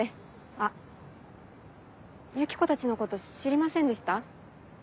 あっユキコたちのこと知りませんでした？